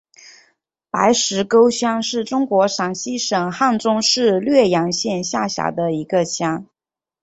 白石沟乡是中国陕西省汉中市略阳县下辖的一个乡。